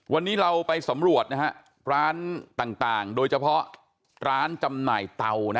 วันนี้เราไปสำรวจนะฮะร้านต่างโดยเฉพาะร้านจำหน่ายเตานะ